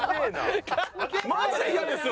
マジで嫌ですよ